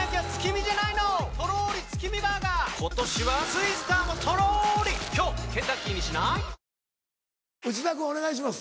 ニトリ内田君お願いします。